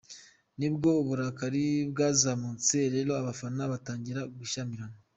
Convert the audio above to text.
Nibwo uburakari bwazamutse rero abafana batangira gushyamirana.